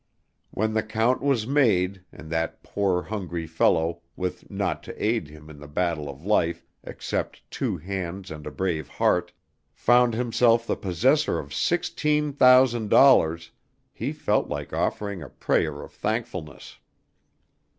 When the count was made, and that poor, hungry fellow, with naught to aid him in the battle of life except two hands and a brave heart, found himself the possessor of sixteen thousand dollars, he felt like offering a prayer of thankfulness.